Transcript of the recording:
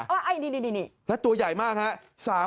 และตัวใหญ่มากฮะ